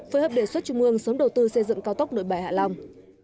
phối hợp đề xuất trung ương sớm đầu tư xây dựng cao tốc nội bài hạ long